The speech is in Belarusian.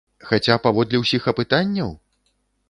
Хаця паводле ўсіх апытанняў?